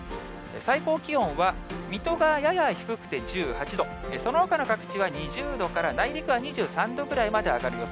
最高気温は水戸がやや低くて１８度、そのほかの各地は２０度から、内陸は２３度くらいまで上がる予